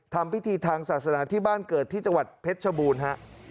ทำพิธีทางศาสนาที่บ้านเกิดที่จังหวัดเพชรชบูรณ์ฮะ